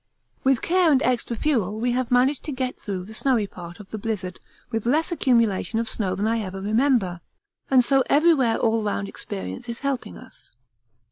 With care and extra fuel we have managed to get through the snowy part of the blizzard with less accumulation of snow than I ever remember, and so everywhere all round experience is helping us.